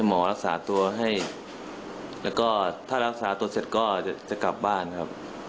หมอรักษาตัวให้แล้วก็ถ้ารักษาตัวเสร็จก็จะกลับบ้านครับ